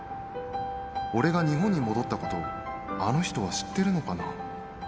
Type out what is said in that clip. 俺が日本に戻ったこと、あの人は知ってるのかな。